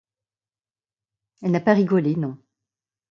Elle n’a pas rigolé, non.